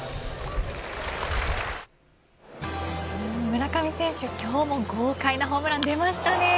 村上選手、今日も豪快なホームランが出ましたね。